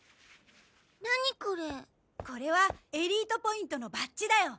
これはエリートポイントのバッジだよ。